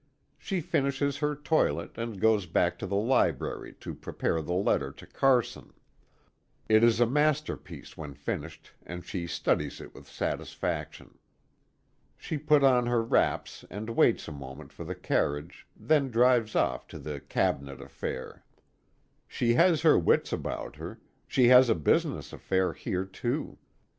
She finishes her toilet, and goes back to the library to prepare the letter to Carson. It is a masterpiece when finished, and she studies it with satisfaction. She put on her wraps and waits a moment for the carriage, then drives off to the "Cabinet affair." She has her wits about her she has a business affair here, too.